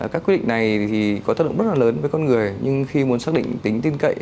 các quyết định này có tác động rất là lớn với con người nhưng khi muốn xác định tính tin cậy